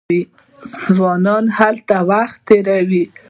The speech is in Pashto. ځوانان هلته وخت تیروي.